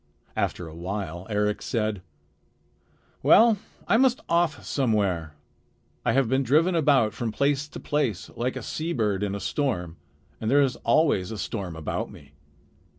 After a while Eric said: "Well, I must off somewhere. I have been driven about from place to place, like a seabird in a storm. And there is always a storm about me.